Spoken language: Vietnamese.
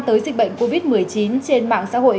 tới dịch bệnh covid một mươi chín trên mạng xã hội